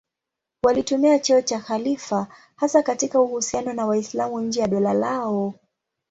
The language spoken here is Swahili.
Walitumia cheo cha khalifa hasa katika uhusiano na Waislamu nje ya dola lao.